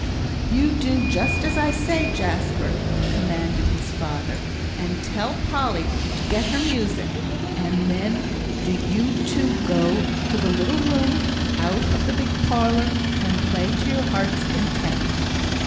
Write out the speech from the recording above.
"You do just as I say, Jasper," commanded his father. "And tell Polly to get her music; and then do you two go to the little room out of the big parlour, and play to your hearts' content."